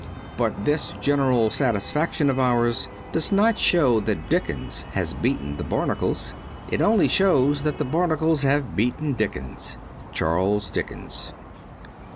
But this general satisfaction of ours does not show that Dickens has beaten the Barnacles. It only shows that the Barnacles have beaten Dickens. ^Charles Dickens.'